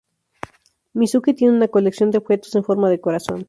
Mizuki tiene una colección de objetos en forma de corazón.